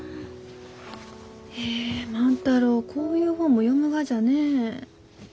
へえ万太郎こういう本も読むがじゃねえ。